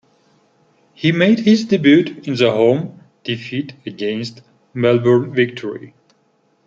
He made his debut in the home defeat against Melbourne Victory.